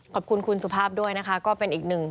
ขอบคุณคุณสุภาพด้วยนะคะก็เป็นอีกหนึ่ง